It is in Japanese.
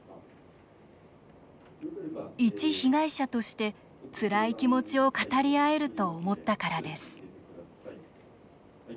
一被害者として、つらい気持ちを語り合えると思ったからです。